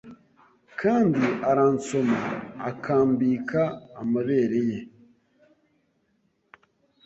Kandi aransoma akambika amabere ye